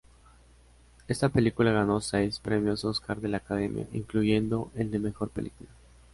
Esta película ganó seis premios Óscar de la Academia, incluyendo el de Mejor Película.